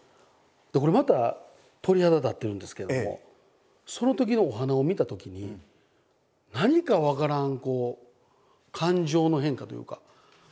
これまた鳥肌立ってるんですけどもそのときのお花を見たときに何か分からん感情の変化というかふわって何か。